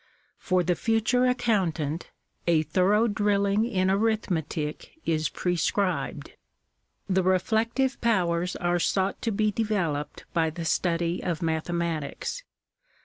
For the future accountant, a thorough drilling in arithmetic is prescribed. The reflective powers are sought to be developed by the study of mathematics.